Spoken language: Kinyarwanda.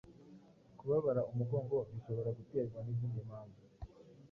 kubabara umugongo bishobora guterwa n’izindi mpamvu.